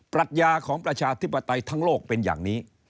รัชญาของประชาธิปไตยทั้งโลกเป็นอย่างนี้